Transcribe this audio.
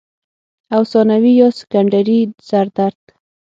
او ثانوي يا سيکنډري سردرد